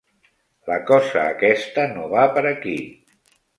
La cosa aquesta no va per aquí.